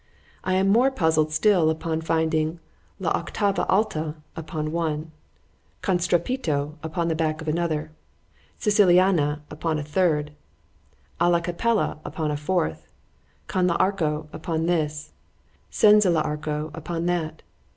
——I am more puzzled still upon finding a l'octava alta! upon one;——Con strepito upon the back of another;——Scicilliana upon a third;——Alla capella upon a fourth;——Con l'arco upon this;——Senza l'arco upon that.